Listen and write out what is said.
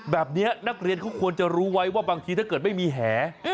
แบบนี้นักเรียนเขาควรจะรู้ไว้ว่าบางทีถ้าเกิดไม่มีแห